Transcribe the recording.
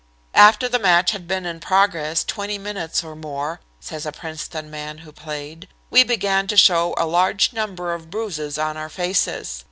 "After the match had been in progress twenty minutes or more," says a Princeton man who played, "we began to show a large number of bruises on our faces.